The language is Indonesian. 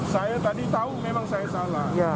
saya tadi tahu memang saya salah